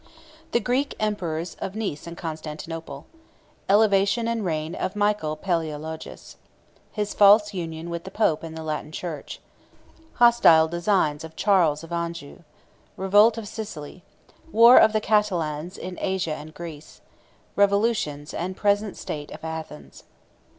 The Greek Emperors Of Nice And Constantinople.—Elevation And Reign Of Michael Palæologus.—His False Union With The Pope And The Latin Church.—Hostile Designs Of Charles Of Anjou.—Revolt Of Sicily.—War Of The Catalans In Asia And Greece.—Revolutions And Present State Of Athens.